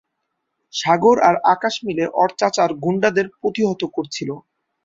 সাগর আর আকাশ মিলে ওর চাচার গুন্ডাদের প্রতিহত করছিল।